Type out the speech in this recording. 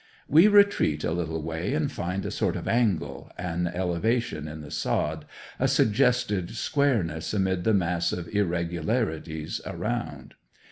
We retreat a little way and find a sort of angle, an elevation in the sod, a suggested squareness amid the mass of irregularities around.